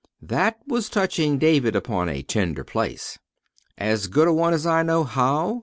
That was touching David upon a tender place. "As good a one as I know how?"